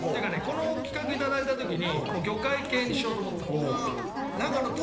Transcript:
この企画を頂いた時に魚介系にしようと思ったの。